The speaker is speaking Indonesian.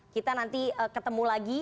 kita nanti ketemu lagi